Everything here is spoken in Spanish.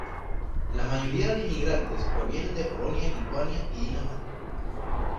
La mayoría de inmigrantes provienen de Polonia, Lituania Y Dinamarca.